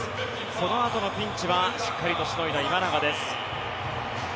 そのあとのピンチはしっかりとしのいだ今永です。